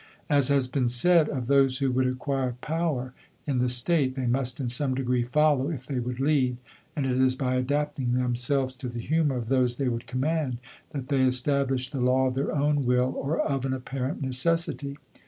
As has been said of those who would acquire power in the state — they must in some degree follow, if they would lead, and it is by adapting themselves to the humour of those they would command, that they establish the law of their own will, or of an apparent necessity.